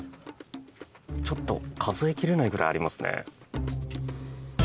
ちょっと数え切れないくらいありますね。